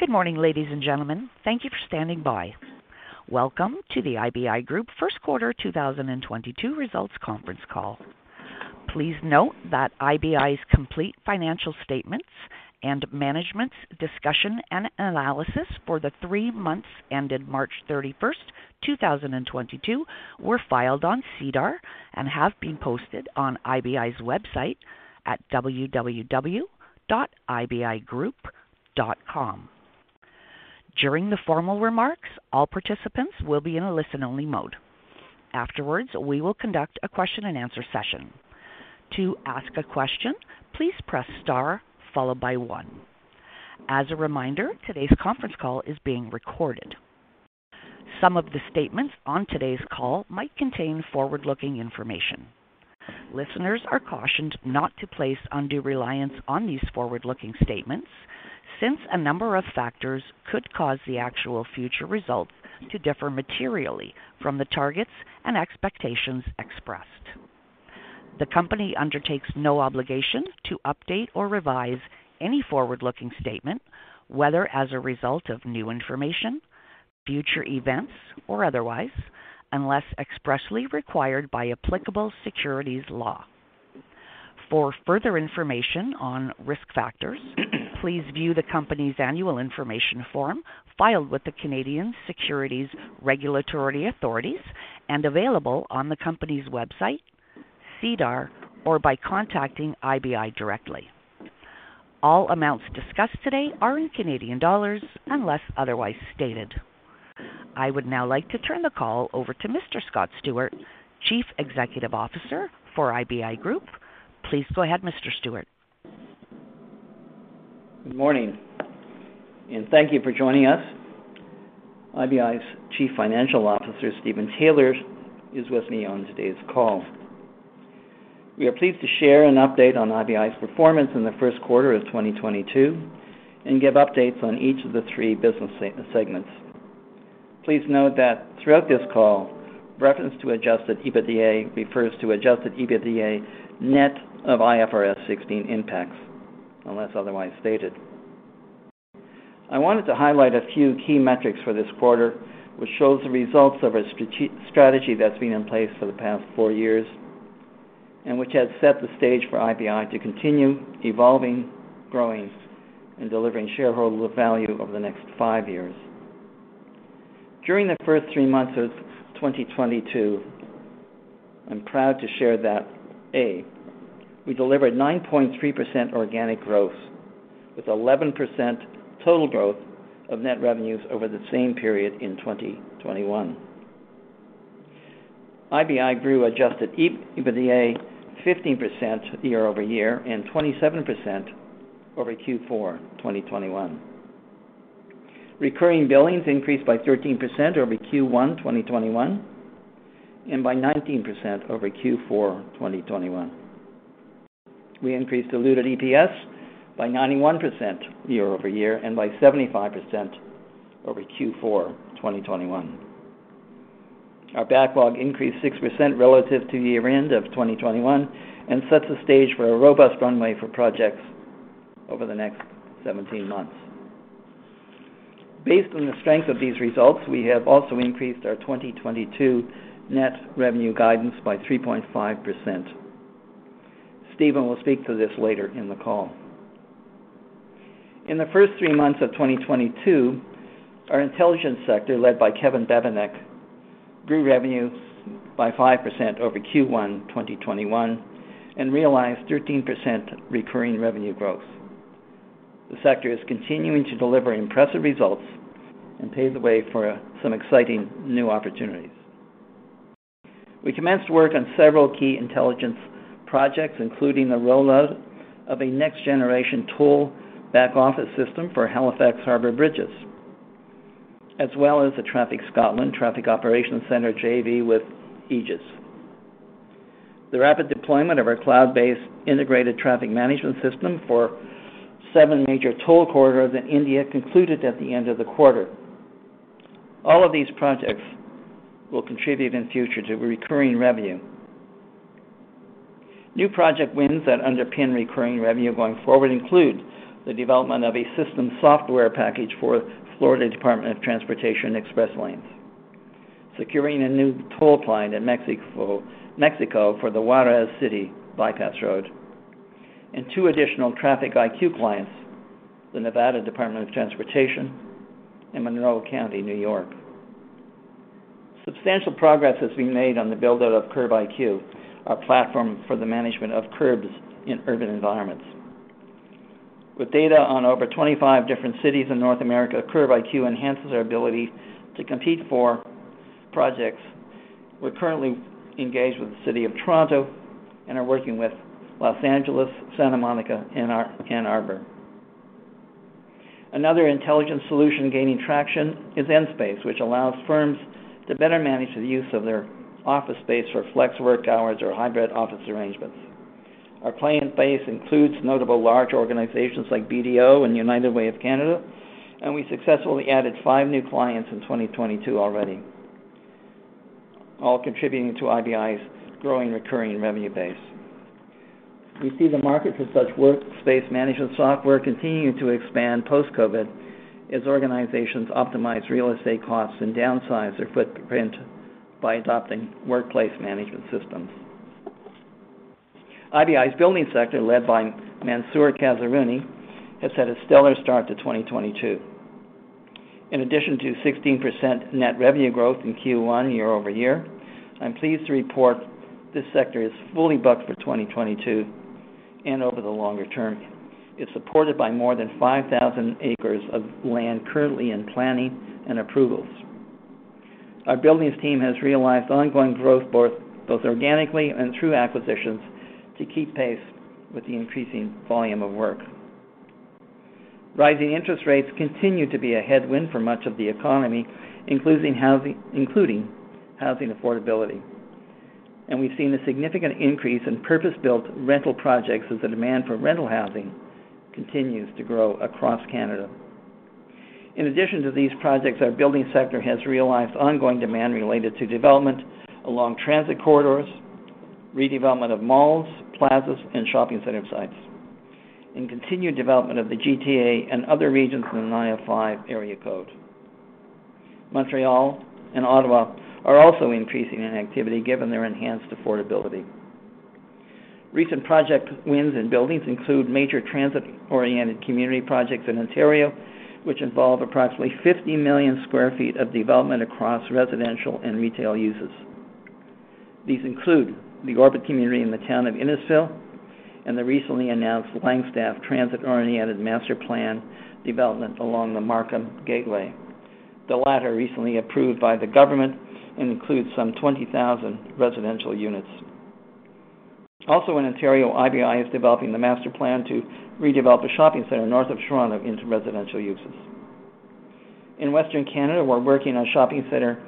Good morning, ladies and gentlemen. Thank you for standing by. Welcome to the IBI Group First Quarter 2022 Results Conference Call. Please note that IBI's complete financial statements and management's discussion and analysis for the three months ended March 31, 2022 were filed on SEDAR and have been posted on IBI's website at www.ibigroup.com. During the formal remarks, all participants will be in a listen-only mode. Afterwards, we will conduct a question-and-answer session. To ask a question, please press star followed by one. As a reminder, today's conference call is being recorded. Some of the statements on today's call might contain forward-looking information. Listeners are cautioned not to place undue reliance on these forward-looking statements, since a number of factors could cause the actual future results to differ materially from the targets and expectations expressed. The company undertakes no obligation to update or revise any forward-looking statement, whether as a result of new information, future events, or otherwise, unless expressly required by applicable securities law. For further information on risk factors, please view the company's annual information form filed with the Canadian Securities Administrators and available on the company's website, SEDAR, or by contacting IBI directly. All amounts discussed today are in Canadian dollars unless otherwise stated. I would now like to turn the call over to Mr. Scott Stewart, Chief Executive Officer for IBI Group. Please go ahead, Mr. Stewart. Good morning, and thank you for joining us. IBI's Chief Financial Officer, Stephen Taylor, is with me on today's call. We are pleased to share an update on IBI's performance in the first quarter of 2022 and give updates on each of the three business segments. Please note that throughout this call, reference to adjusted EBITDA refers to adjusted EBITDA net of IFRS 16 impacts, unless otherwise stated. I wanted to highlight a few key metrics for this quarter, which shows the results of our strategy that's been in place for the past four years and which has set the stage for IBI to continue evolving, growing, and delivering shareholder value over the next five years. During the first three months of 2022, I'm proud to share that, A, we delivered 9.3% organic growth with 11% total growth of net revenues over the same period in 2021. IBI grew adjusted EBITDA 15% year-over-year and 27% over Q4 2021. Recurring billings increased by 13% over Q1 2021 and by 19% over Q4 2021. We increased diluted EPS by 91% year-over-year and by 75% over Q4 2021. Our backlog increased 6% relative to year-end of 2021 and sets the stage for a robust runway for projects over the next 17 months. Based on the strength of these results, we have also increased our 2022 net revenue guidance by 3.5%. Stephen will speak to this later in the call. In the first three months of 2022, our intelligence sector, led by Kevin Bevenek, grew revenues by 5% over Q1 2021 and realized 13% recurring revenue growth. The sector is continuing to deliver impressive results and pave the way for some exciting new opportunities. We commenced work on several key intelligence projects, including the rollout of a next-generation toll back-office system for Halifax Harbour Bridges, as well as the Traffic Scotland traffic operations center JV with Egis. The rapid deployment of our cloud-based integrated traffic management system for seven major toll corridors in India concluded at the end of the quarter. All of these projects will contribute in future to recurring revenue. New project wins that underpin recurring revenue going forward include the development of a system software package for Florida Department of Transportation express lanes, securing a new toll client in Mexico for the Juarez City bypass road, and two additional Travel-IQ clients, the Nevada Department of Transportation and Monroe County, New York. Substantial progress has been made on the build out of CurbIQ, our platform for the management of curbs in urban environments. With data on over 25 different cities in North America, CurbIQ enhances our ability to compete for projects. We're currently engaged with the City of Toronto and are working with Los Angeles, Santa Monica, and Ann Arbor. Another intelligence solution gaining traction is Nspace, which allows firms to better manage the use of their office space for flex work hours or hybrid office arrangements. Our client base includes notable large organizations like BDO and United Way of Canada, and we successfully added five new clients in 2022 already. All contributing to IBI's growing recurring revenue base. We see the market for such workspace management software continuing to expand post-COVID as organizations optimize real estate costs and downsize their footprint by adopting workplace management systems. IBI's building sector, led by Mansoor Kazerouni, has had a stellar start to 2022. In addition to 16% net revenue growth in Q1 year-over-year, I'm pleased to report this sector is fully booked for 2022 and over the longer term. It's supported by more than 5,000 acres of land currently in planning and approvals. Our buildings team has realized ongoing growth both organically and through acquisitions to keep pace with the increasing volume of work. Rising interest rates continue to be a headwind for much of the economy, including housing affordability. We've seen a significant increase in purpose-built rental projects as the demand for rental housing continues to grow across Canada. In addition to these projects, our building sector has realized ongoing demand related to development along transit corridors, redevelopment of malls, plazas, and shopping center sites, and continued development of the GTA and other regions in the 905 area code. Montreal and Ottawa are also increasing in activity given their enhanced affordability. Recent project wins and buildings include major transit-oriented community projects in Ontario, which involve approximately 50 million sq ft of development across residential and retail uses. These include the Orbit community in the town of Innisfil and the recently announced Langstaff transit-oriented master plan development along the Markham Gateway. The latter, recently approved by the government, includes some 20,000 residential units. Also in Ontario, IBI is developing the master plan to redevelop a shopping center north of Toronto into residential uses. In Western Canada, we're working on shopping center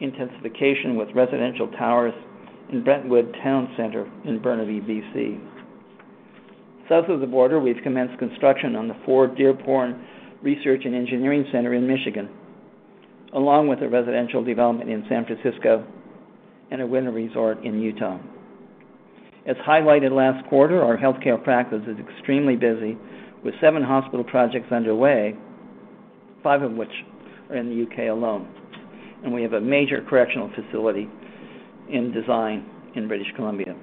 intensification with residential towers in Brentwood Town Centre in Burnaby, BC. South of the border, we've commenced construction on the Ford Dearborn Research and Engineering Center in Michigan, along with a residential development in San Francisco and a winter resort in Utah. As highlighted last quarter, our healthcare practice is extremely busy with seven hospital projects underway, five of which are in the U.K. alone, and we have a major correctional facility in design in British Columbia.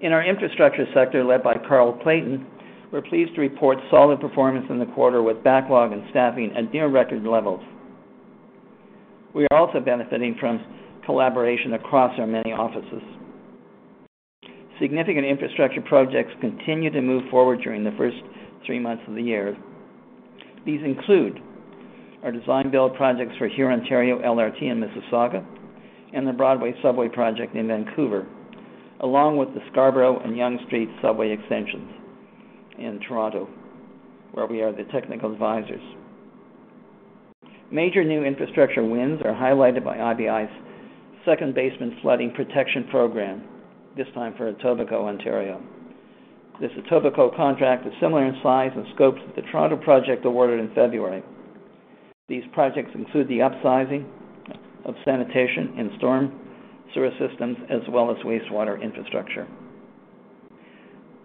In our infrastructure sector, led by Carl Clayton, we're pleased to report solid performance in the quarter with backlog and staffing at near-record levels. We are also benefiting from collaboration across our many offices. Significant infrastructure projects continued to move forward during the first three months of the year. These include our design build projects for Hurontario LRT in Mississauga and the Broadway Subway project in Vancouver, along with the Scarborough Subway Extension and Yonge North Subway Extension in Toronto, where we are the technical advisors. Major new infrastructure wins are highlighted by IBI's second basement flooding protection program, this time for Etobicoke, Ontario. This Etobicoke contract is similar in size and scopes to the Toronto project awarded in February. These projects include the upsizing of sanitation and storm sewer systems, as well as wastewater infrastructure.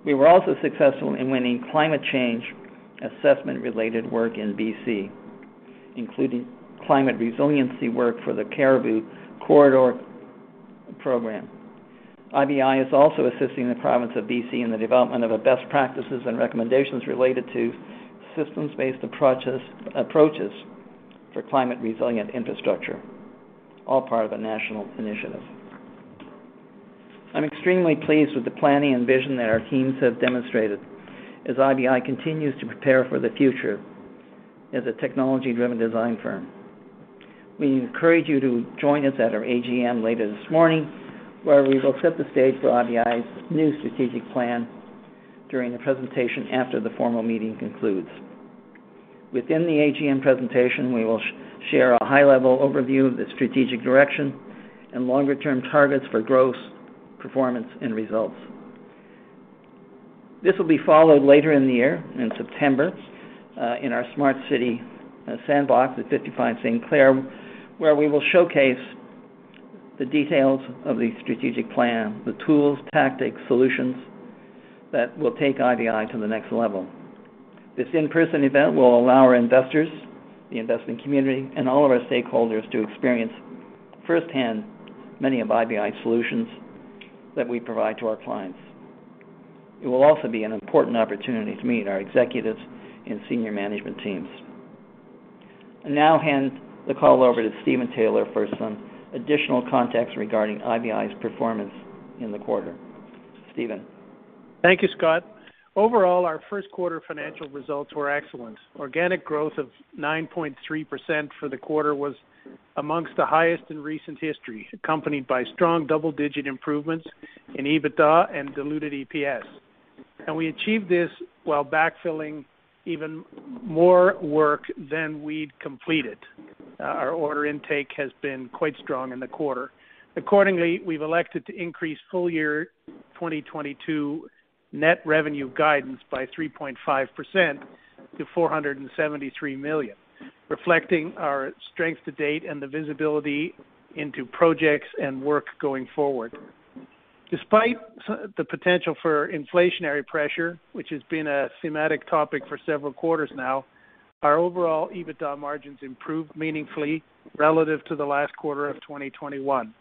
We were also successful in winning climate change assessment-related work in BC, including climate resiliency work for the Cariboo Corridor program. IBI is also assisting the province of BC in the development of best practices and recommendations related to systems-based approaches for climate resilient infrastructure, all part of a national initiative. I'm extremely pleased with the planning and vision that our teams have demonstrated as IBI continues to prepare for the future as a technology-driven design firm. We encourage you to join us at our AGM later this morning, where we will set the stage for IBI's new strategic plan during the presentation after the formal meeting concludes. Within the AGM presentation, we will share a high-level overview of the strategic direction and longer-term targets for growth, performance, and results. This will be followed later in the year in September, in our smart city, sandbox at 55 St. Clair, where we will showcase the details of the strategic plan, the tools, tactics, solutions that will take IBI to the next level. This in-person event will allow our investors, the investment community, and all of our stakeholders to experience firsthand many of IBI's solutions that we provide to our clients. It will also be an important opportunity to meet our executives and senior management teams. I now hand the call over to Stephen Taylor for some additional context regarding IBI's performance in the quarter. Stephen? Thank you, Scott. Overall, our first quarter financial results were excellent. Organic growth of 9.3% for the quarter was among the highest in recent history, accompanied by strong double-digit improvements in EBITDA and diluted EPS. We achieved this while backfilling even more work than we'd completed. Our order intake has been quite strong in the quarter. Accordingly, we've elected to increase full-year 2022 net revenue guidance by 3.5% to 473 million, reflecting our strength to date and the visibility into projects and work going forward. Despite the potential for inflationary pressure, which has been a thematic topic for several quarters now, our overall EBITDA margins improved meaningfully relative to the last quarter of 2021,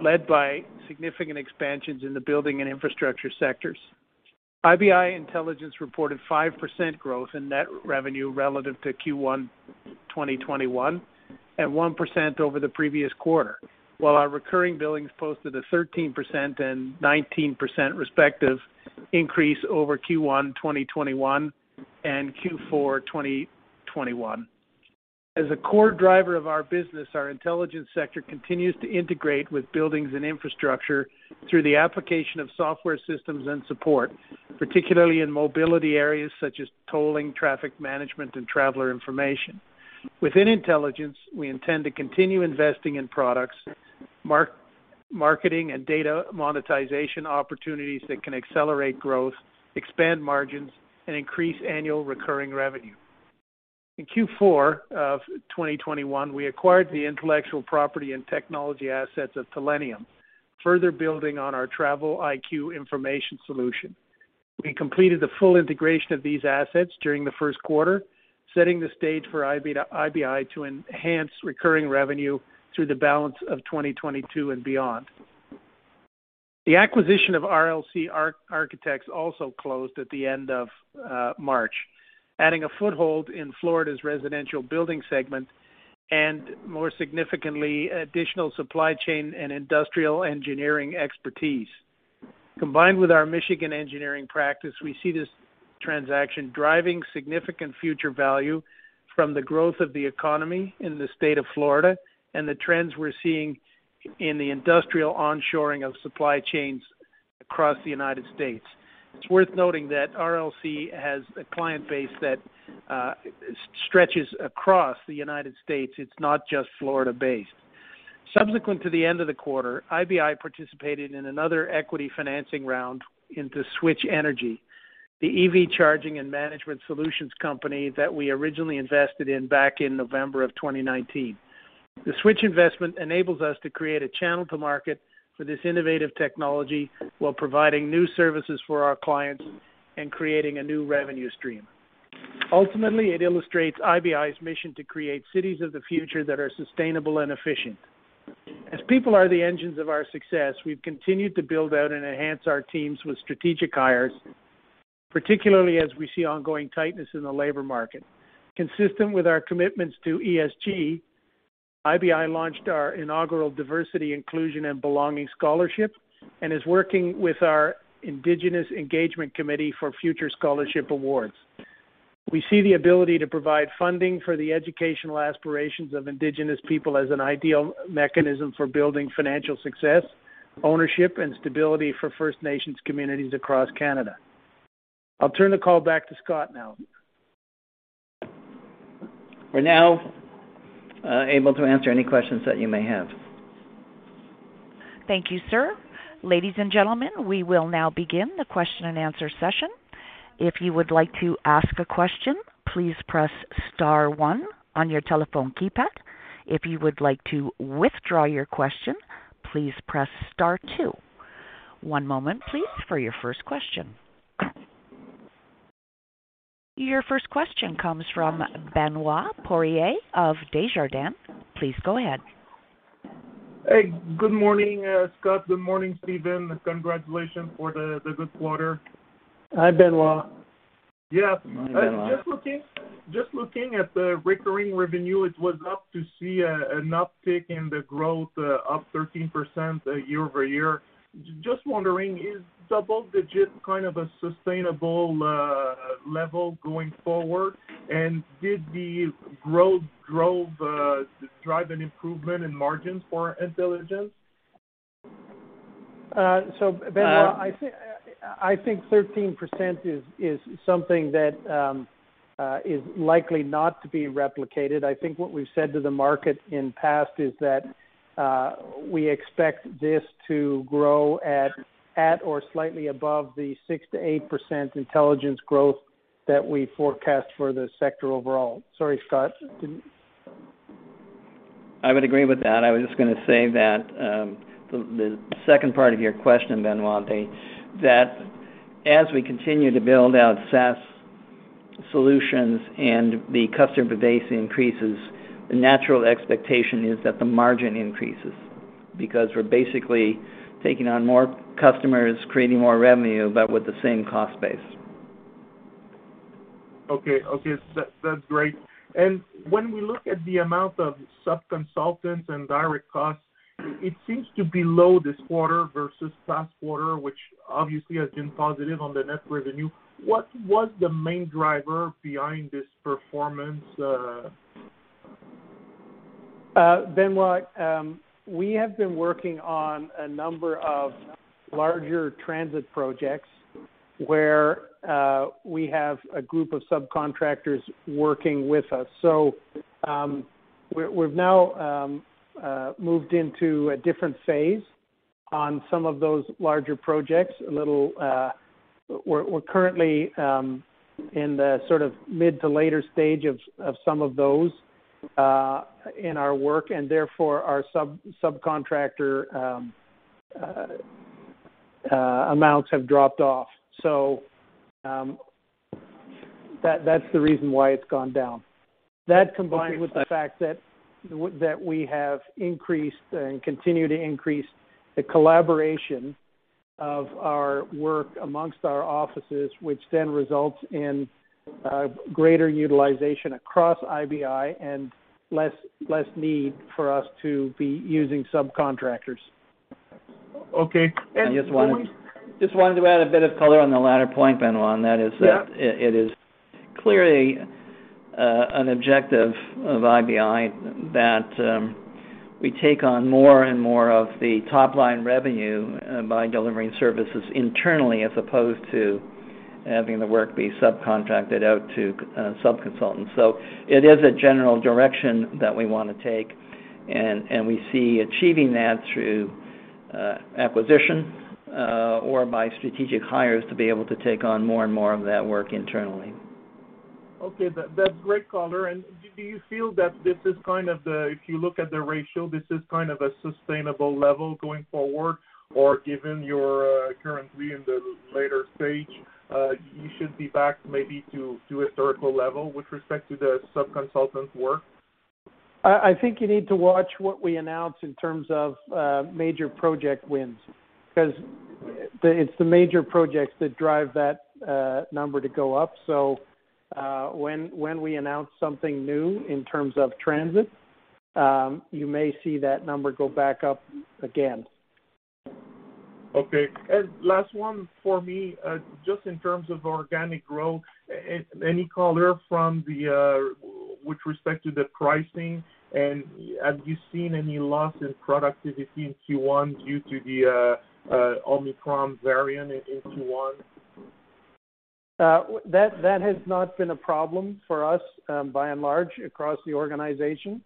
led by significant expansions in the building and infrastructure sectors. IBI Intelligence reported 5% growth in net revenue relative to Q1 2021 at 1% over the previous quarter. While our recurring billings posted a 13% and 19% respective increase over Q1 2021 and Q4 2021. As a core driver of our business, our intelligence sector continues to integrate with buildings and infrastructure through the application of software systems and support, particularly in mobility areas such as tolling, traffic management, and traveler information. Within intelligence, we intend to continue investing in products, marketing and data monetization opportunities that can accelerate growth, expand margins, and increase annual recurring revenue. In Q4 of 2021, we acquired the intellectual property and technology assets of Telenium, further building on our Travel-IQ information solution. We completed the full integration of these assets during the first quarter, setting the stage for IBI to enhance recurring revenue through the balance of 2022 and beyond. The acquisition of RLC Architects also closed at the end of March, adding a foothold in Florida's residential building segment and more significantly, additional supply chain and industrial engineering expertise. Combined with our Michigan engineering practice, we see this transaction driving significant future value from the growth of the economy in the state of Florida and the trends we're seeing in the industrial onshoring of supply chains across the United States. It's worth noting that RLC has a client base that stretches across the United States. It's not just Florida-based. Subsequent to the end of the quarter, IBI participated in another equity financing round into SWTCH Energy, the EV charging and management solutions company that we originally invested in back in November 2019. The SWTCH investment enables us to create a channel to market for this innovative technology while providing new services for our clients and creating a new revenue stream. Ultimately, it illustrates IBI's mission to create cities of the future that are sustainable and efficient. As people are the engines of our success, we've continued to build out and enhance our teams with strategic hires, particularly as we see ongoing tightness in the labor market. Consistent with our commitments to ESG, IBI launched our inaugural Diversity, Inclusion, and Belonging scholarship and is working with our Indigenous Engagement Committee for future scholarship awards. We see the ability to provide funding for the educational aspirations of Indigenous people as an ideal mechanism for building financial success, ownership, and stability for First Nations communities across Canada. I'll turn the call back to Scott now. We're now able to answer any questions that you may have. Thank you, sir. Ladies and gentlemen, we will now begin the question and answer session. If you would like to ask a question, please press star one on your telephone keypad. If you would like to withdraw your question, please press star two. One moment please for your first question. Your first question comes from Benoit Poirier of Desjardins. Please go ahead. Hey, good morning, Scott. Good morning, Stephen. Congratulations for the good quarter. Hi, Benoit. Yeah. Morning, Benoit. Just looking at the recurring revenue, it was up to see an uptick in the growth, up 13% year-over-year. Just wondering, is double-digit kind of a sustainable level going forward? Did the growth drive an improvement in margins for Intelligence? Benoit, I think 13% is something that is likely not to be replicated. I think what we've said to the market in past is that we expect this to grow at or slightly above the 6%-8% intelligence growth that we forecast for the sector overall. Sorry, Scott, did I would agree with that. I was just gonna say that, the second part of your question, Benoit, that as we continue to build out SaaS solutions and the customer base increases, the natural expectation is that the margin increases because we're basically taking on more customers, creating more revenue, but with the same cost base. Okay. That's great. When we look at the amount of sub-consultants and direct costs, it seems to be low this quarter versus last quarter, which obviously has been positive on the net revenue. What was the main driver behind this performance? Benoit, we have been working on a number of larger transit projects where we have a group of subcontractors working with us. We've now moved into a different phase on some of those larger projects. We're currently in the sort of mid to later stage of some of those in our work, and therefore, our subcontractor amounts have dropped off. That's the reason why it's gone down. That combined with the fact that we have increased and continue to increase the collaboration of our work amongst our offices, which then results in greater utilization across IBI and less need for us to be using subcontractors. Okay. I just wanted to add a bit of color on the latter point, Benoit, and that is that. Yeah It is clearly an objective of IBI that we take on more and more of the top line revenue by delivering services internally as opposed to having the work be subcontracted out to sub-consultants. It is a general direction that we wanna take, and we see achieving that through acquisition or by strategic hires to be able to take on more and more of that work internally. Okay. That's great color. Do you feel that this is kind of. If you look at the ratio, this is kind of a sustainable level going forward? Or given you're currently in the later stage, you should be back maybe to a circle level with respect to the sub-consultant work? I think you need to watch what we announce in terms of major project wins 'cause it's the major projects that drive that number to go up. When we announce something new in terms of transit, you may see that number go back up again. Okay. Last one for me, just in terms of organic growth, any color from the, with respect to the pricing. Have you seen any loss in productivity in Q1 due to the Omicron variant in Q1? That has not been a problem for us, by and large across the organization.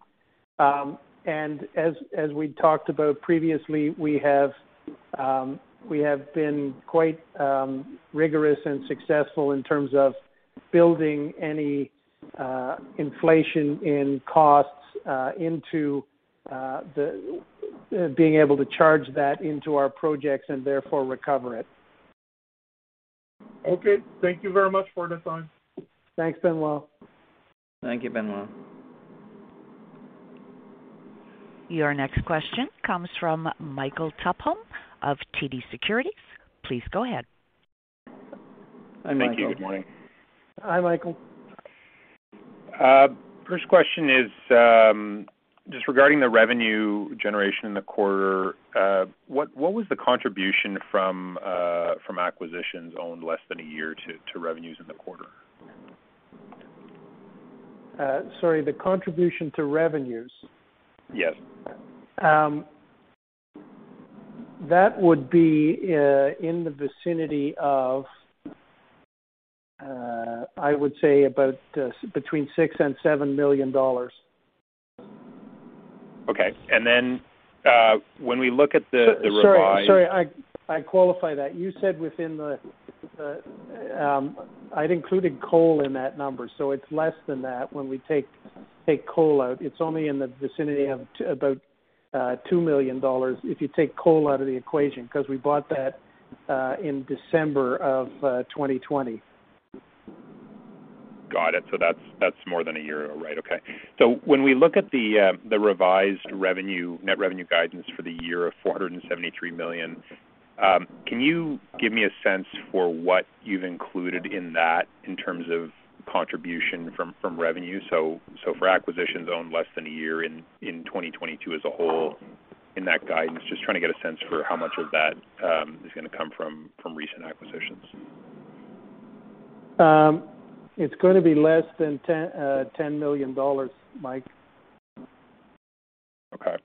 As we talked about previously, we have been quite rigorous and successful in terms of building any inflation in costs into being able to charge that into our projects and therefore recover it. Okay. Thank you very much for the time. Thanks, Benoit. Thank you, Benoit. Your next question comes from Michael Tupholme of TD Securities. Please go ahead. Hi, Michael. Thank you. Good morning. Hi, Michael. First question is, just regarding the revenue generation in the quarter, what was the contribution from acquisitions owned less than a year to revenues in the quarter? Sorry, the contribution to revenues? Yes. That would be in the vicinity of, I would say about, between 6 million and 7 million dollars. Okay. When we look at the revised- Sorry. I qualify that. You said within the. I'd included Cole in that number, so it's less than that when we take Cole out. It's only in the vicinity of about 2 million dollars if you take Cole out of the equation, 'cause we bought that in December of 2020. Got it. That's more than a year, right. Okay. When we look at the revised revenue, net revenue guidance for the year of 473 million, can you give me a sense for what you've included in that in terms of contribution from revenue? For acquisitions owned less than a year in 2022 as a whole in that guidance, just trying to get a sense for how much of that is gonna come from recent acquisitions. It's gonna be less than 10 million dollars, Mike. Okay.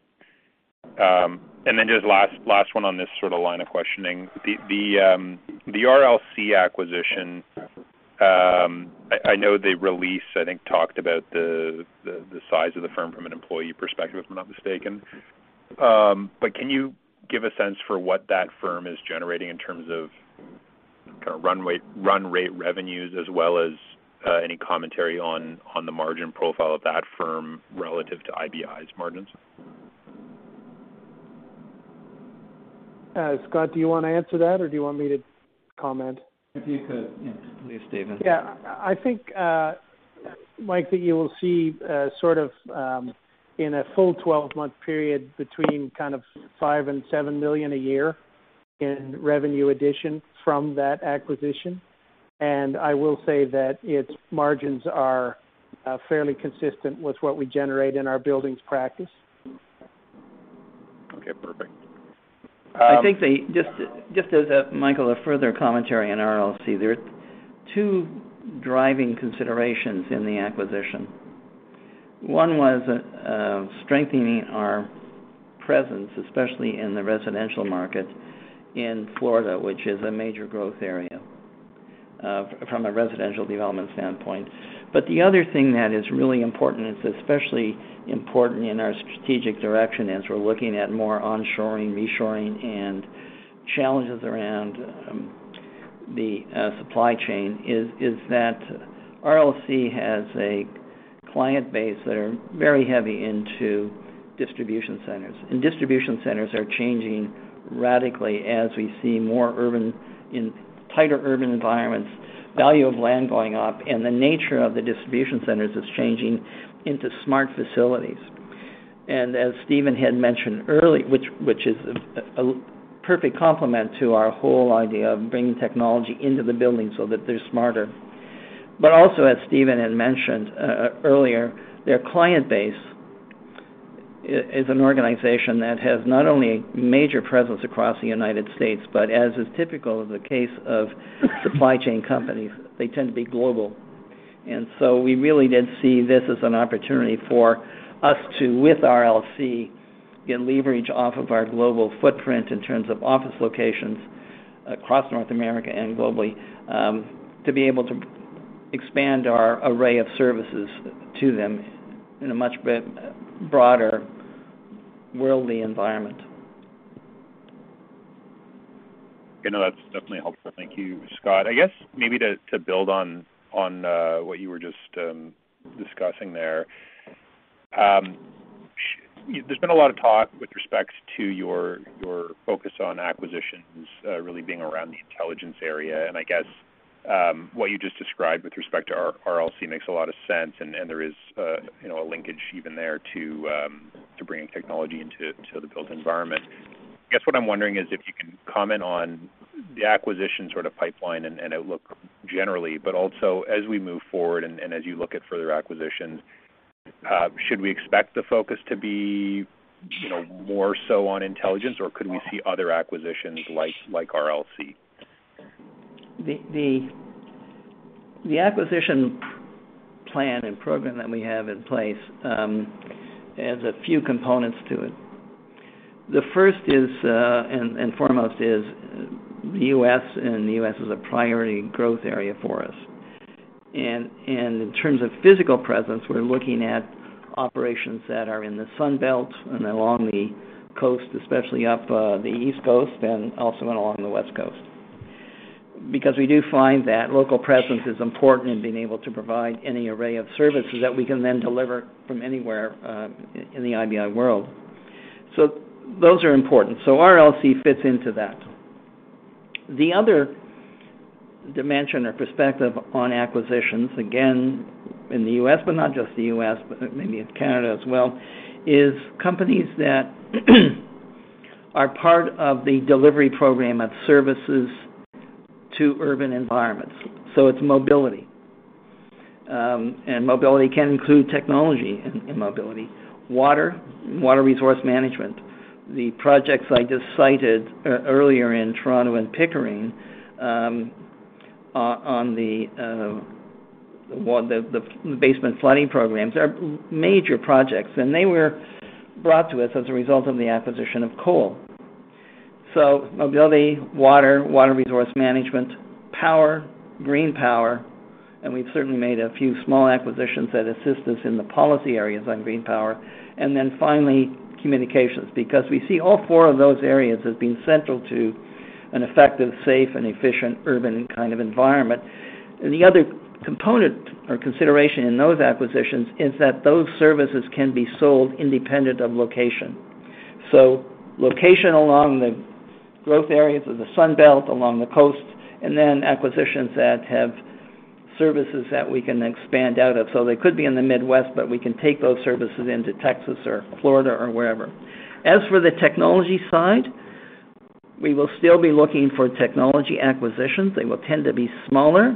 Just last one on this sort of line of questioning. The RLC acquisition, I know the release, I think, talked about the size of the firm from an employee perspective, if I'm not mistaken. Can you give a sense for what that firm is generating in terms of kind of run rate revenues as well as any commentary on the margin profile of that firm relative to IBI's margins? Scott, do you wanna answer that or do you want me to comment? If you could, yeah, please, Stephen. Yeah. I think, Mike, that you will see, sort of, in a full twelve-month period between kind of 5 million and 7 million a year in revenue addition from that acquisition. I will say that its margins are fairly consistent with what we generate in our buildings practice. Okay, perfect. Just as a, Michael, a further commentary on RLC, there are two driving considerations in the acquisition. One was strengthening our presence, especially in the residential market in Florida, which is a major growth area from a residential development standpoint. The other thing that is really important, it's especially important in our strategic direction as we're looking at more onshoring, reshoring, and challenges around the supply chain is that RLC has a client base that are very heavy into distribution centers. Distribution centers are changing radically as we see more urban in tighter urban environments, value of land going up, and the nature of the distribution centers is changing into smart facilities. As Stephen had mentioned earlier, which is a perfect complement to our whole idea of bringing technology into the building so that they're smarter. As Stephen had mentioned earlier, their client base is an organization that has not only major presence across the United States, but as is typical of the case of supply chain companies, they tend to be global. We really did see this as an opportunity for us to, with RLC, get leverage off of our global footprint in terms of office locations across North America and globally, to be able to expand our array of services to them in a much broader worldly environment. You know, that's definitely helpful. Thank you, Scott. I guess maybe to build on what you were just discussing there. There's been a lot of talk with respects to your focus on acquisitions, really being around the intelligence area. And I guess what you just described with respect to RLC makes a lot of sense, and there is, you know, a linkage even there to bringing technology into the built environment. I guess what I'm wondering is if you can comment on the acquisition sort of pipeline and outlook generally, but also as we move forward and as you look at further acquisitions, should we expect the focus to be, you know, more so on intelligence, or could we see other acquisitions like RLC? The acquisition plan and program that we have in place has a few components to it. The first is foremost the U.S., and the U.S. is a priority growth area for us. In terms of physical presence, we're looking at operations that are in the Sun Belt and along the coast, especially up the East Coast and also along the West Coast. Because we do find that local presence is important in being able to provide any array of services that we can then deliver from anywhere in the IBI world. Those are important. RLC fits into that. The other dimension or perspective on acquisitions, again, in the U.S., but not just the U.S., but maybe in Canada as well, is companies that are part of the delivery program of services to urban environments. It's mobility. Mobility can include technology in mobility. Water resource management. The projects I just cited earlier in Toronto and Pickering, on the basement flooding programs are major projects, and they were brought to us as a result of the acquisition of Cole. Mobility, water resource management, power, green power, and we've certainly made a few small acquisitions that assist us in the policy areas on green power. Then finally, communications, because we see all four of those areas as being central to an effective, safe, and efficient urban kind of environment. The other component or consideration in those acquisitions is that those services can be sold independent of location. Location along the growth areas of the Sun Belt, along the coast, and then acquisitions that have services that we can expand out of. They could be in the Midwest, but we can take those services into Texas or Florida or wherever. As for the technology side, we will still be looking for technology acquisitions. They will tend to be smaller,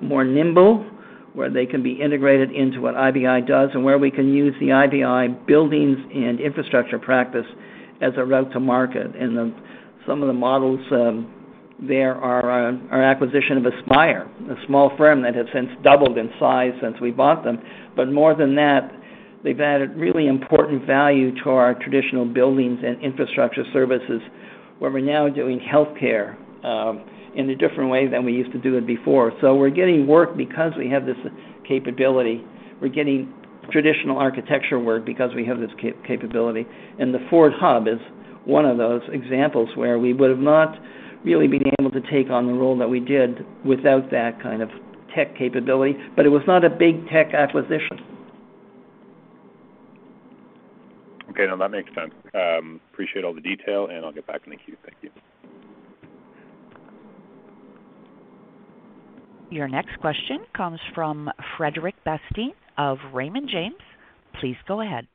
more nimble, where they can be integrated into what IBI does and where we can use the IBI buildings and infrastructure practice as a route to market. Some of the models, our acquisition of Aspyr, a small firm that has since doubled in size since we bought them. But more than that, they've added really important value to our traditional buildings and infrastructure services, where we're now doing healthcare in a different way than we used to do it before. We're getting work because we have this capability. We're getting traditional architecture work because we have this capability. The Ford hub is one of those examples where we would have not really been able to take on the role that we did without that kind of tech capability, but it was not a big tech acquisition. Okay. No, that makes sense. Appreciate all the detail, and I'll get back in the queue. Thank you. Your next question comes from Frederic Bastien of Raymond James. Please go ahead.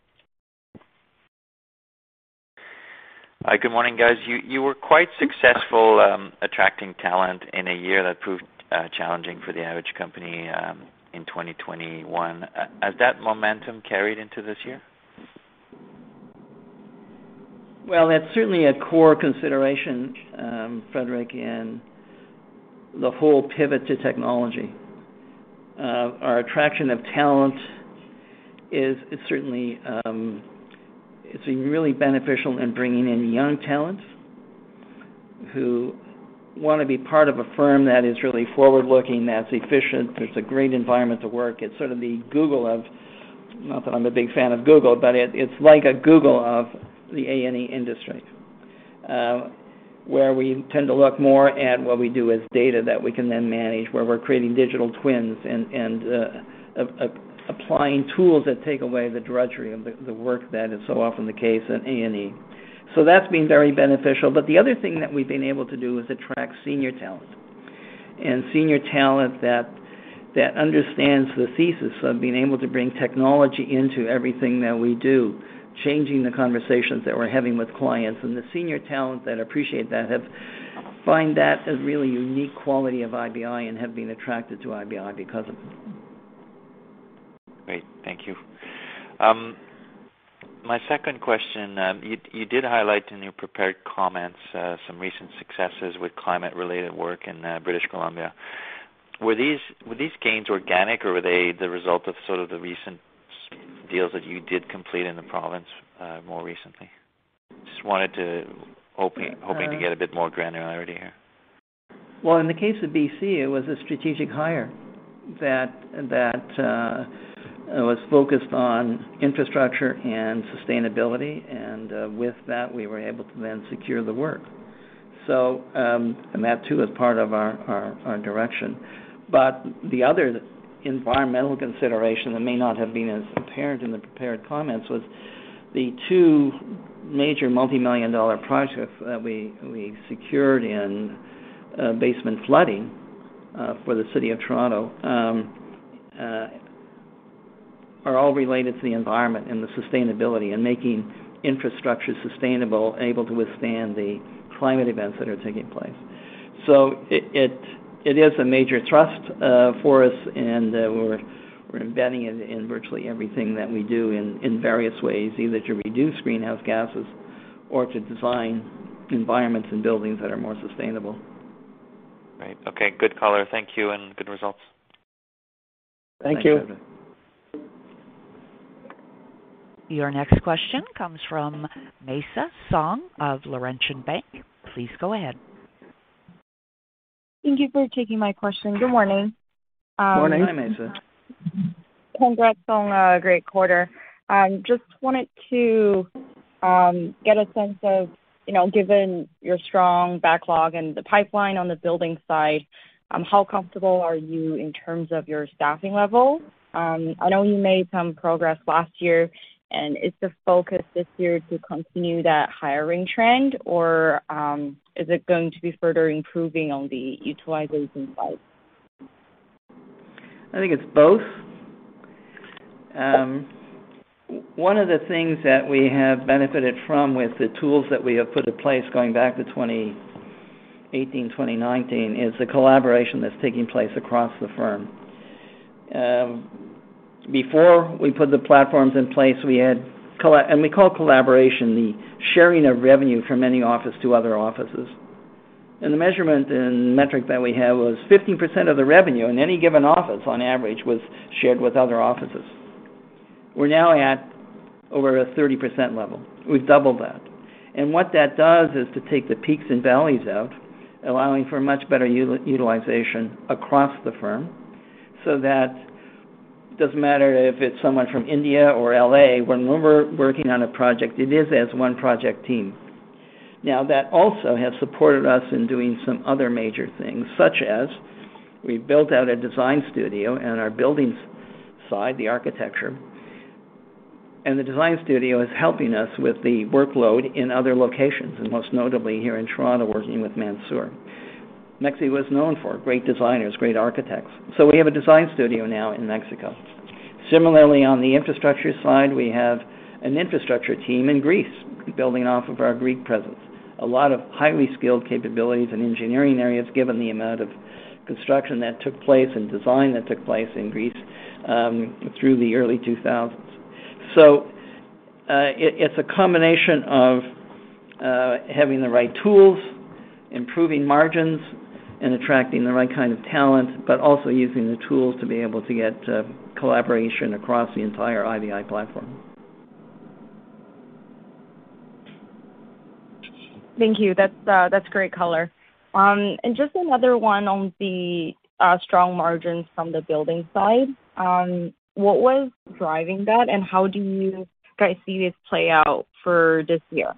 Hi. Good morning, guys. You were quite successful attracting talent in a year that proved challenging for the average company in 2021. Has that momentum carried into this year? Well, that's certainly a core consideration, Frederic, and the whole pivot to technology. Our attraction of talent is certainly it's been really beneficial in bringing in young talent who wanna be part of a firm that is really forward-looking, that's efficient, there's a great environment to work. It's sort of the Google of, not that I'm a big fan of Google, but it's like a Google of the A&E industry, where we tend to look more at what we do as data that we can then manage, where we're creating digital twins and applying tools that take away the drudgery of the work that is so often the case in A&E. That's been very beneficial. The other thing that we've been able to do is attract senior talent, and senior talent that understands the thesis of being able to bring technology into everything that we do, changing the conversations that we're having with clients. The senior talent that appreciate that find that a really unique quality of IBI and have been attracted to IBI because of it. Great. Thank you. My second question, you did highlight in your prepared comments some recent successes with climate-related work in British Columbia. Were these gains organic, or were they the result of sort of the recent deals that you did complete in the province more recently? Hoping to get a bit more granularity here. Well, in the case of BC, it was a strategic hire that was focused on infrastructure and sustainability. With that, we were able to then secure the work. That too is part of our direction. The other environmental consideration that may not have been as apparent in the prepared comments was the two major multimillion-dollar projects that we secured in basement flooding for the City of Toronto. They are all related to the environment and the sustainability and making infrastructure sustainable, able to withstand the climate events that are taking place. It is a major thrust for us, and we're embedding it in virtually everything that we do in various ways, either to reduce greenhouse gases or to design environments and buildings that are more sustainable. Great. Okay. Good color. Thank you, and good results. Thank you. Thanks, Frederic. Your next question comes from Masa Song of Laurentian Bank. Please go ahead. Thank you for taking my question. Good morning. Morning. Morning, Masa. Congrats on a great quarter. Just wanted to get a sense of, you know, given your strong backlog and the pipeline on the buildings side, how comfortable are you in terms of your staffing level? I know you made some progress last year. Is the focus this year to continue that hiring trend, or is it going to be further improving on the utilization side? I think it's both. One of the things that we have benefited from with the tools that we have put in place going back to 2018, 2019 is the collaboration that's taking place across the firm. Before we put the platforms in place, we had and we call collaboration the sharing of revenue from any office to other offices. The measurement and metric that we had was 15% of the revenue in any given office on average was shared with other offices. We're now at over a 30% level. We've doubled that. What that does is to take the peaks and valleys out, allowing for much better utilization across the firm, so that it doesn't matter if it's someone from India or L.A. When we're working on a project, it is as one project team. Now, that also has supported us in doing some other major things, such as we built out a design studio in our buildings side, the architecture. The design studio is helping us with the workload in other locations, and most notably here in Toronto, working with Mansour. Mexico was known for great designers, great architects, so we have a design studio now in Mexico. Similarly, on the infrastructure side, we have an infrastructure team in Greece building off of our Greek presence. A lot of highly skilled capabilities in engineering areas, given the amount of construction that took place and design that took place in Greece, through the early 2000s. It's a combination of having the right tools, improving margins, and attracting the right kind of talent, but also using the tools to be able to get collaboration across the entire IBI platform. Thank you. That's great color. Just another one on the strong margins from the buildings side. What was driving that, and how do you guys see this play out for this year?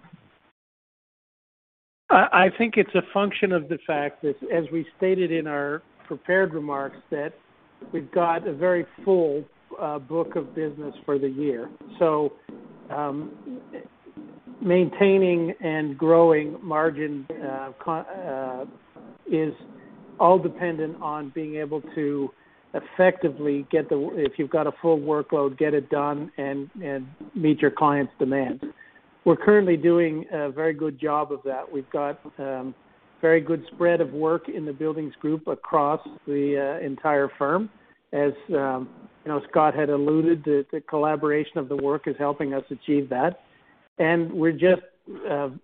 I think it's a function of the fact that, as we stated in our prepared remarks, that we've got a very full book of business for the year. Maintaining and growing margin is all dependent on being able to effectively get it done if you've got a full workload and meet your clients' demands. We're currently doing a very good job of that. We've got very good spread of work in the buildings group across the entire firm. As you know, Scott had alluded, the collaboration of the work is helping us achieve that. We're just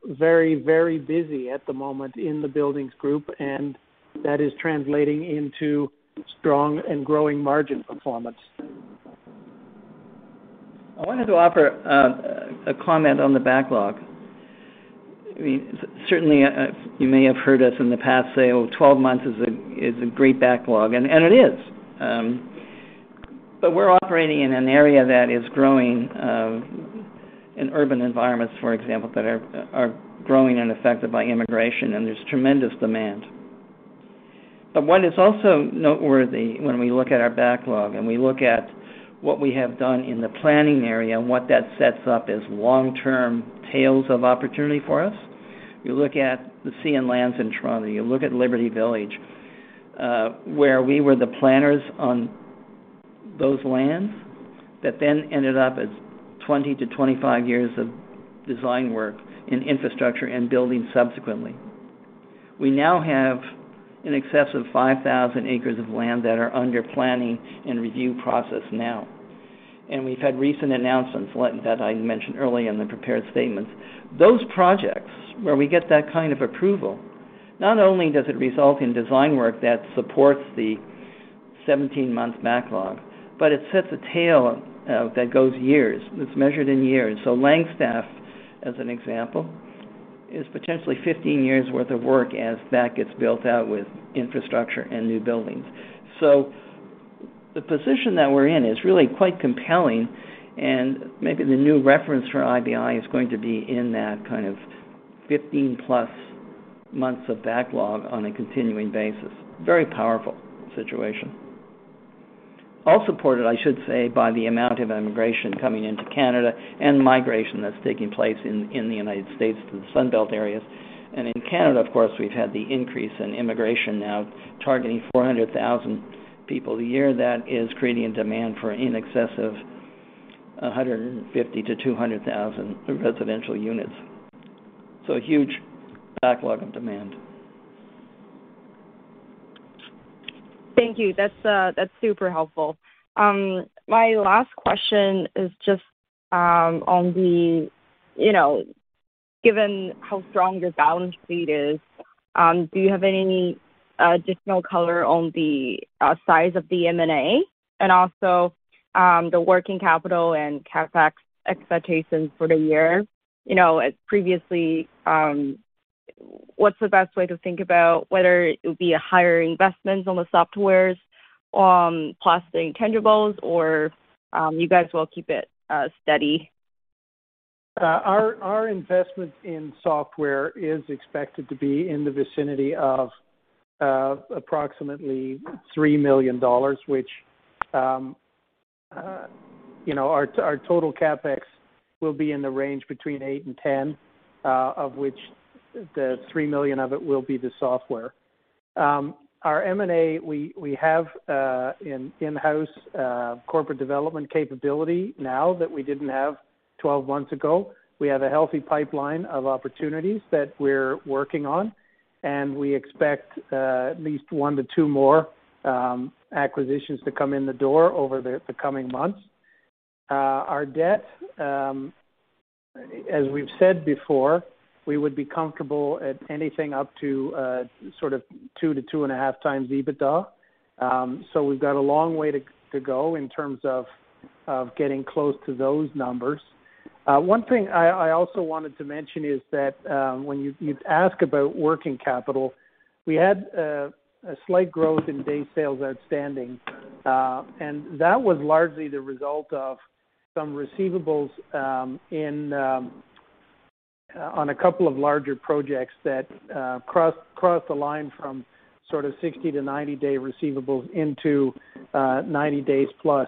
very, very busy at the moment in the buildings group, and that is translating into strong and growing margin performance. I wanted to offer a comment on the backlog. I mean, certainly, you may have heard us in the past say, oh, 12 months is a great backlog, and it is. We're operating in an area that is growing in urban environments, for example, that are growing and affected by immigration, and there's tremendous demand. What is also noteworthy when we look at our backlog and we look at what we have done in the planning area and what that sets up as long-term tails of opportunity for us. You look at the CN lands in Toronto, you look at Liberty Village, where we were the planners on those lands that then ended up as 20 years-25 years of design work in infrastructure and building subsequently. We now have in excess of 5,000 acres of land that are under planning and review process now. We've had recent announcements that I mentioned earlier in the prepared statements. Those projects where we get that kind of approval, not only does it result in design work that supports the 17-month backlog, but it sets a tail that goes years. It's measured in years. Langstaff, as an example, is potentially 15 years worth of work as that gets built out with infrastructure and new buildings. The position that we're in is really quite compelling, and maybe the new reference for IBI is going to be in that kind of 15+ months of backlog on a continuing basis. Very powerful situation. All supported, I should say, by the amount of immigration coming into Canada and migration that's taking place in the United States to the Sun Belt areas. In Canada, of course, we've had the increase in immigration now targeting 400,000 people a year. That is creating a demand for in excess of 150,000-200,000 residential units. A huge backlog of demand. Thank you. That's super helpful. My last question is just on the, you know, given how strong your balance sheet is, do you have any additional color on the size of the M&A and also the working capital and CapEx expectations for the year? You know, previously, what's the best way to think about whether it would be a higher investment on the softwares plus the intangibles or you guys will keep it steady. Our investment in software is expected to be in the vicinity of approximately CAD 3 million, which, you know, our total CapEx will be in the range between 8 million and 10 million, of which 3 million of it will be the software. Our M&A, we have an in-house corporate development capability now that we didn't have 12 months ago. We have a healthy pipeline of opportunities that we're working on, and we expect at least 1 to 2 more acquisitions to come in the door over the coming months. Our debt, as we've said before, we would be comfortable at anything up to sort of 2 to 2.5 times EBITDA. We've got a long way to go in terms of getting close to those numbers. One thing I also wanted to mention is that, when you ask about working capital, we had a slight growth in days sales outstanding, and that was largely the result of some receivables on a couple of larger projects that crossed the line from sort of 60- to 90-day receivables into 90 days plus.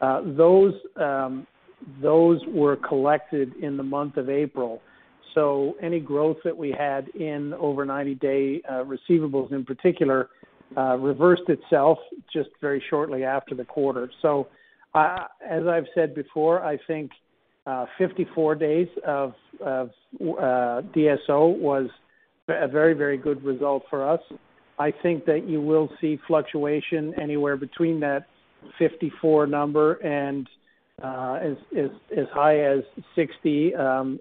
Those were collected in the month of April. Any growth that we had in over 90-day receivables in particular reversed itself just very shortly after the quarter. As I've said before, I think 54 days of DSO was a very, very good result for us. I think that you will see fluctuation anywhere between that 54 number and as high as 60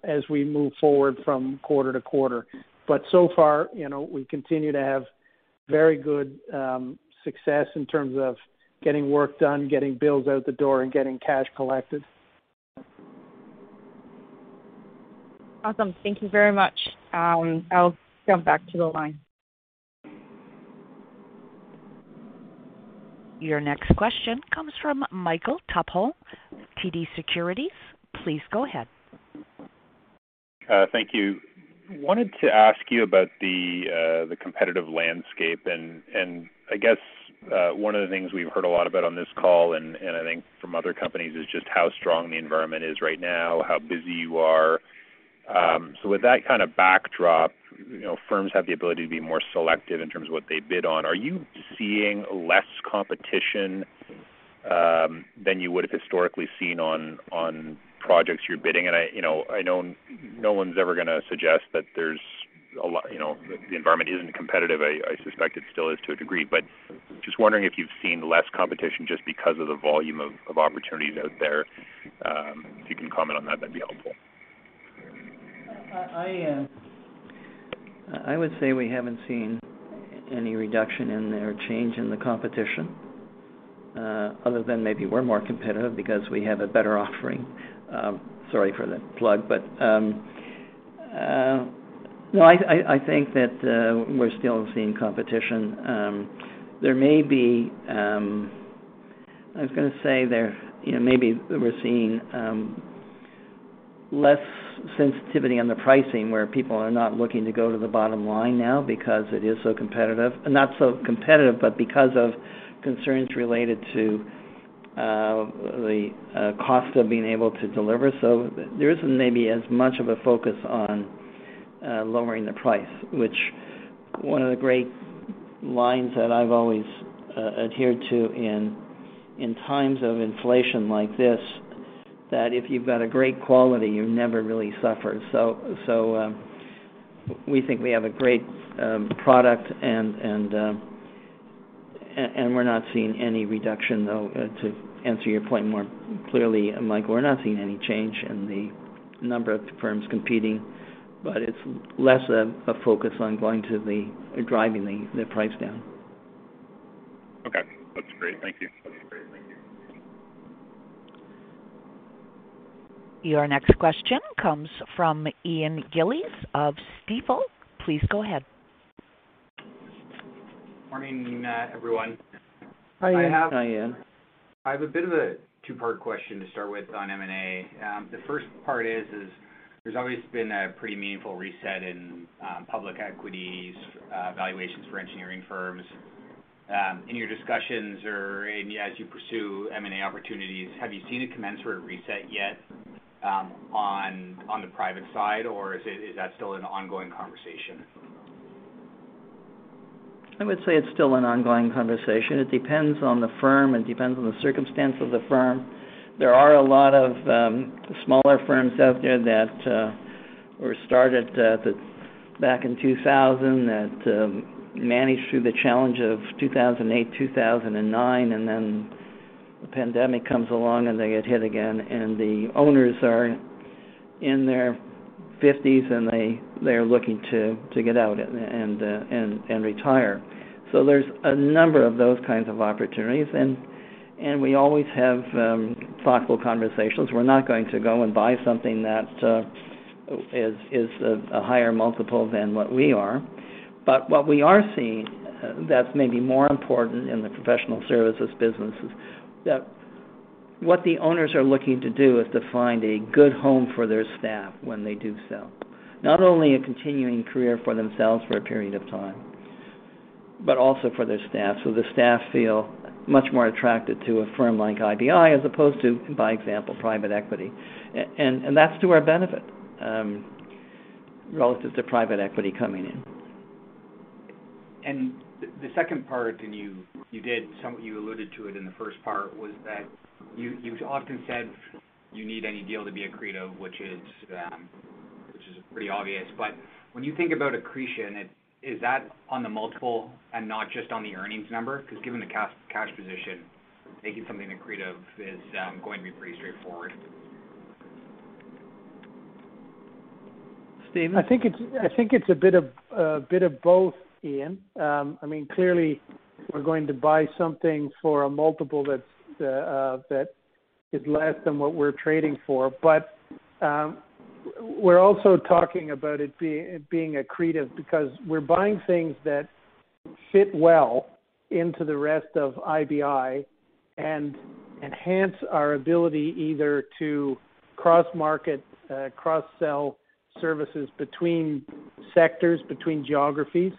as we move forward from quarter to quarter. So far, you know, we continue to have very good success in terms of getting work done, getting bills out the door, and getting cash collected. Awesome. Thank you very much. I'll jump back to the line. Your next question comes from Michael Tupholme, TD Securities. Please go ahead. Thank you. Wanted to ask you about the competitive landscape. I guess one of the things we've heard a lot about on this call, and I think from other companies, is just how strong the environment is right now, how busy you are. With that kind of backdrop, you know, firms have the ability to be more selective in terms of what they bid on. Are you seeing less competition than you would have historically seen on projects you're bidding? You know, I know no one's ever gonna suggest that there's. You know, the environment isn't competitive. I suspect it still is to a degree. Just wondering if you've seen less competition just because of the volume of opportunities out there. If you can comment on that'd be helpful. I would say we haven't seen any reduction in there or change in the competition, other than maybe we're more competitive because we have a better offering. Sorry for the plug. No, I think that we're still seeing competition. There may be, you know, maybe we're seeing less sensitivity on the pricing where people are not looking to go to the bottom line now because it is so competitive. Not so competitive, but because of concerns related to the cost of being able to deliver. There isn't maybe as much of a focus on lowering the price, which one of the great lines that I've always adhered to in times of inflation like this, that if you've got a great quality, you never really suffer. We think we have a great product and we're not seeing any reduction. Though, to answer your point more clearly, Mike, we're not seeing any change in the number of firms competing, but it's less of a focus on driving the price down. Okay. That's great. Thank you. Your next question comes from Ian Gillies of Stifel. Please go ahead. Morning, everyone. Hi, Ian. I have- Hi, Ian. I have a bit of a two-part question to start with on M&A. The first part is there's always been a pretty meaningful reset in public equities valuations for engineering firms. In your discussions or as you pursue M&A opportunities, have you seen a commensurate reset yet on the private side, or is that still an ongoing conversation? I would say it's still an ongoing conversation. It depends on the firm, it depends on the circumstance of the firm. There are a lot of smaller firms out there that were started back in 2000 that managed through the challenge of 2008, 2009, and then the pandemic comes along, and they get hit again. The owners are in their fifties, and they're looking to get out and retire. There's a number of those kinds of opportunities. We always have thoughtful conversations. We're not going to go and buy something that is a higher multiple than what we are. What we are seeing, that's maybe more important in the professional services business is that what the owners are looking to do is to find a good home for their staff when they do sell. Not only a continuing career for themselves for a period of time, but also for their staff, so the staff feel much more attracted to a firm like IBI as opposed to, for example, private equity. And that's to our benefit, relative to private equity coming in. The second part, some of you alluded to it in the first part, was that you've often said you need any deal to be accretive, which is pretty obvious. But when you think about accretion, it? Is that on the multiple and not just on the earnings number? 'Cause given the cash position, making something accretive is going to be pretty straightforward. Stephen? I think it's a bit of both, Ian. I mean, clearly we're going to buy something for a multiple that is less than what we're trading for. We're also talking about it being accretive because we're buying things that fit well into the rest of IBI and enhance our ability either to cross-sell services between sectors, between geographies,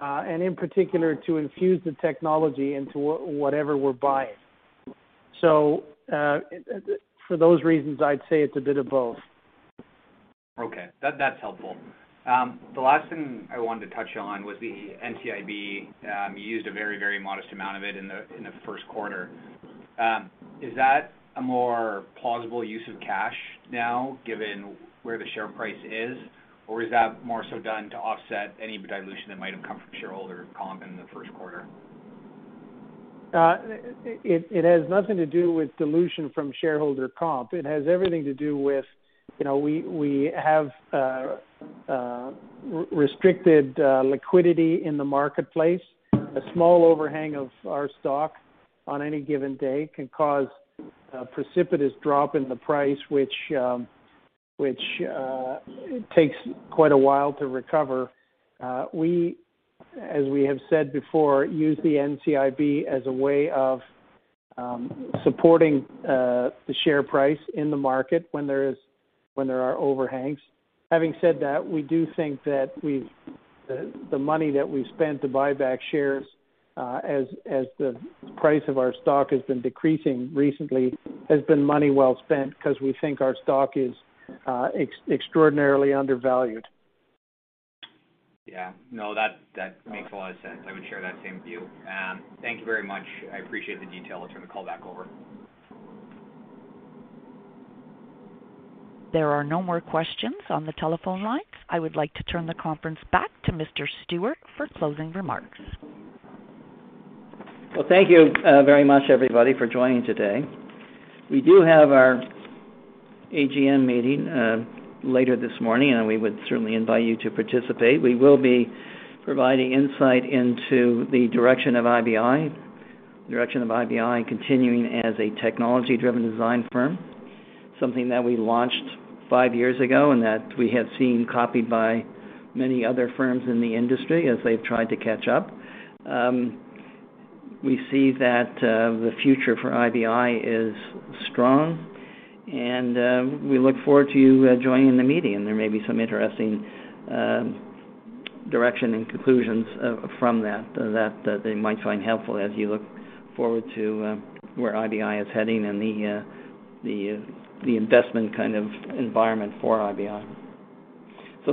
and in particular, to infuse the technology into whatever we're buying. For those reasons, I'd say it's a bit of both. That's helpful. The last thing I wanted to touch on was the NCIB. You used a very modest amount of it in the first quarter. Is that a more plausible use of cash now given where the share price is, or is that more so done to offset any dilution that might have come from shareholder comp in the first quarter? It has nothing to do with dilution from shareholder comp. It has everything to do with, you know, we have restricted liquidity in the marketplace. A small overhang of our stock on any given day can cause a precipitous drop in the price, which takes quite a while to recover. We, as we have said before, use the NCIB as a way of supporting the share price in the market when there are overhangs. Having said that, we do think that the money that we've spent to buy back shares, as the price of our stock has been decreasing recently, has been money well spent, 'cause we think our stock is extraordinarily undervalued. Yeah. No, that makes a lot of sense. I would share that same view. Thank you very much. I appreciate the detail. I'll turn the call back over. There are no more questions on the telephone lines. I would like to turn the conference back to Mr. Stewart for closing remarks. Well, thank you very much, everybody, for joining today. We do have our AGM meeting later this morning, and we would certainly invite you to participate. We will be providing insight into the direction of IBI continuing as a technology-driven design firm, something that we launched five years ago and that we have seen copied by many other firms in the industry as they've tried to catch up. We see that the future for IBI is strong, and we look forward to you joining the meeting. There may be some interesting direction and conclusions from that that you might find helpful as you look forward to where IBI is heading and the investment kind of environment for IBI.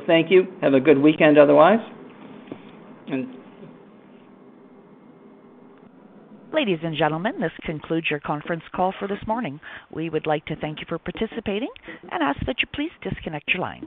Thank you. Have a good weekend otherwise. Ladies and gentlemen, this concludes your conference call for this morning. We would like to thank you for participating and ask that you please disconnect your line.